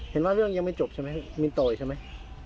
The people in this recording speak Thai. เห็นว่าเรื่องยังไม่จบใช่ไหมมินโตอีกใช่ไหม